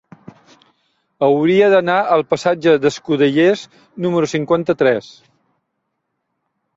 Hauria d'anar al passatge d'Escudellers número cinquanta-tres.